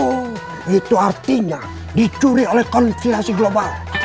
oh itu artinya dicuri oleh konspirasi global